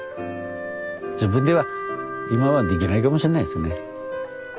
自分では今はできないかもしんないですね。